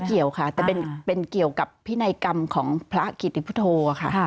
เกี่ยวค่ะแต่เป็นเกี่ยวกับพินัยกรรมของพระกิติพุทธโธค่ะ